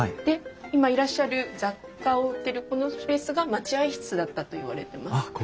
で今いらっしゃる雑貨を売ってるこのスペースが待合室だったといわれてます。